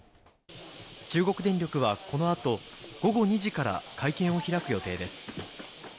中国電力はこのあと午後２時から会見を開く予定です。